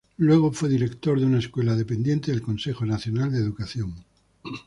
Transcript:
Luego fue director de una escuela dependiente del Consejo Nacional de Educación.